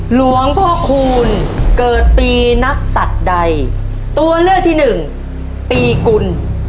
หลวงพ่อคูณเกิดปีนักศัตริย์ใดตัวเลือกที่หนึ่งปีกุล